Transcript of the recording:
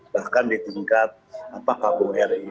bahkan di tingkat kpuri